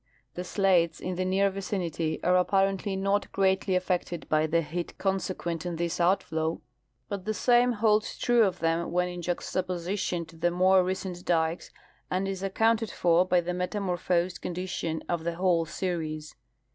The slates in the near vicinity are apparently not greatly affected by the heat consequent on this outfloAV, but the same holds true of them when in juxtaposition to the more recent dikes, and is accounted for l^y the metamorphosed condi tion of the Avhole series.